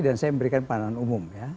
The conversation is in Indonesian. dan saya memberikan pandangan umum ya